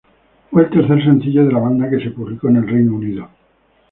Fue el tercer sencillo de la banda que se publicó en el Reino Unido.